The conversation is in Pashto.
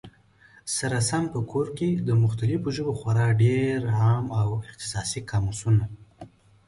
سره سم په کور کي، د مختلفو ژبو خورا ډېر عام او اختصاصي قاموسونه